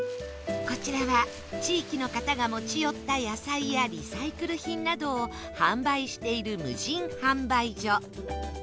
こちらは地域の方が持ち寄った野菜やリサイクル品などを販売している無人販売所